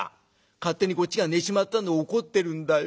勝手にこっちが寝ちまったんで怒ってるんだよ。